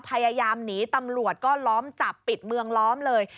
พยายามหนีตำรวจก็ล้อมจับปิดเมืองล้อมเลย